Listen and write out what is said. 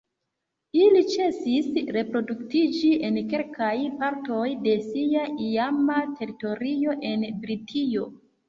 Ili ĉesis reproduktiĝi en kelkaj partoj de sia iama teritorio en Britio.